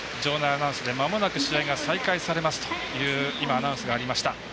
アナウンスでまもなく試合が再開されますとアナウンスがありました。